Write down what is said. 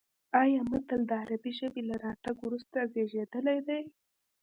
ایا متل د عربي ژبې له راتګ وروسته زېږېدلی دی